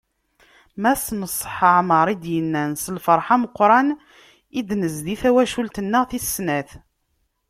Mass Neṣṣaḥ Ɛmer, i d-yennan: “S lferḥ meqqren i d-nezdi tawcult-nneɣ tis snat."